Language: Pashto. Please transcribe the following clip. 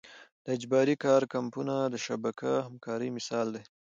د اجباري کار کمپونه د شبکه همکارۍ مثال دی.